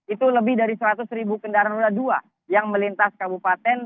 itu lebih dari seratus ribu kendaraan roda dua yang melintas kabupaten